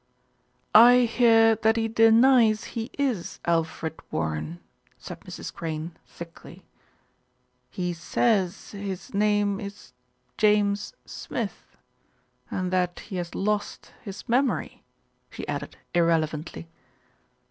"I hear that he denies he is Alfred Warren," said Mrs. Crane thickly. "He says his name is James Smith, and that he has lost his memory," she added irrelevantly.